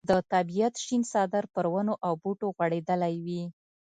د طبیعت شین څادر پر ونو او بوټو غوړېدلی وي.